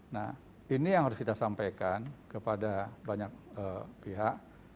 nah ini yang harus kita sampaikan kepada banyak pihak